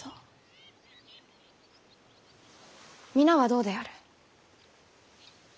皆はどうである？